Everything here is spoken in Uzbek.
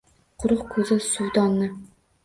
Quruq ko’za — suvdonni